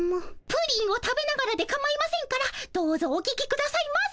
プリンを食べながらでかまいませんからどうぞお聞き下さいませ。